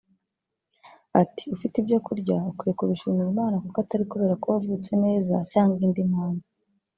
Ati “Ufite ibyo kurya ukwiye kubishimira Imana kuko atari ukubera ko wavutse neza cyangwa indi mpamvu